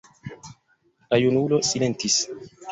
La junulo silentis.